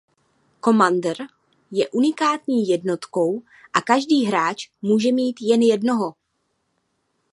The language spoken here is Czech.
Commander je unikátní jednotkou a každý hráč může mít jen jednoho.